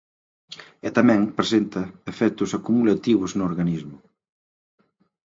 E tamén presenta efectos acumulativos no organismo.